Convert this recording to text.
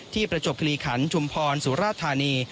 ประจบคลีขันชุมพรสุราธานี